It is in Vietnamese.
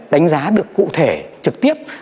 đánh giá được cụ thể trực tiếp